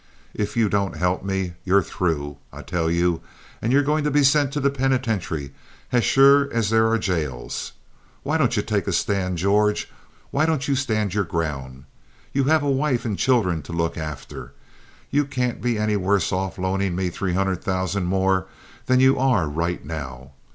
If you don't help me, you're through, I tell you, and you're going to be sent to the penitentiary as sure as there are jails. Why don't you take a stand, George? Why don't you stand your ground? You have your wife and children to look after. You can't be any worse off loaning me three hundred thousand more than you are right now.